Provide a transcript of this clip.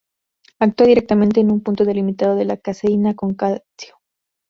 Actúa directamente en un punto delimitado de la caseína con calcio.